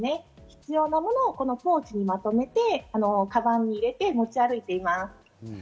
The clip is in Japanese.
必要なものをこのポーチにまとめて、かばんに入れて持ち歩いています。